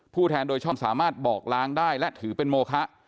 แทนโดยชอบสามารถบอกล้างได้และถือเป็นโมคะ